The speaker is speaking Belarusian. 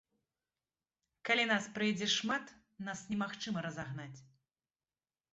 Калі нас прыйдзе шмат, нас немагчыма разагнаць.